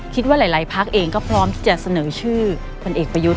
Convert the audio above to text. คิดว่าหลายพักเองก็พร้อมที่จะเสนอชื่อพลเอกประยุทธ์